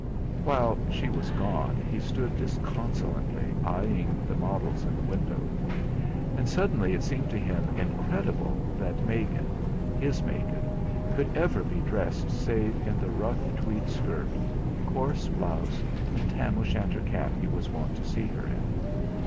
While she was gone he stood disconsolately eyeing the models in the window, and suddenly it seemed to him incredible that Megan his Megan could ever be dressed save in the rough tweed skirt, coarse blouse, and tam o' shanter cap he was wont to see her in.